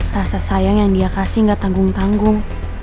rasa sayang yang dia kasih gak tanggung tanggung